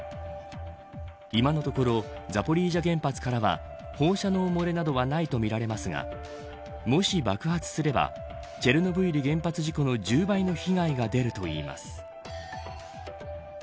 今のところザポリージャ原発からは放射能漏れなどはないと見られますがもし爆発すればチェルノブイリ原発事故の１０倍の被害が出るといいます。